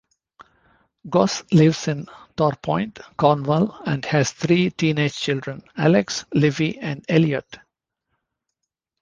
Goss lives in Torpoint, Cornwall, and has three teenage children: Alex, Livvy and Eliot.